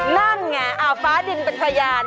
นั่นไงฟ้าดินเป็นพยาน